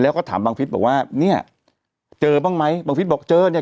แล้วก็ถามบังฟิศบอกว่าเนี่ยเจอบ้างไหมบังฟิศบอกเจอเนี่ย